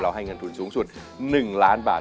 ให้เงินทุนสูงสุด๑ล้านบาท